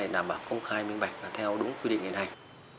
nằm ở công khai miên bạch theo đúng quy định hiện hành